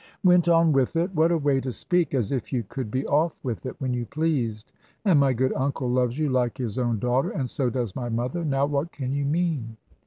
"Went on with it! What a way to speak! As if you could be off with it when you pleased! And my good uncle loves you like his own daughter; and so does my mother. Now what can you mean?"